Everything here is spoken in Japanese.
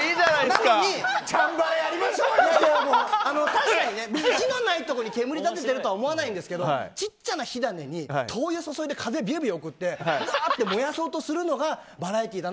確かに火のないところに煙立ててるとは思わないんですけど小さな火種に灯油注いで風送って燃やそうとするのがバラエティー。